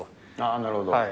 なるほど。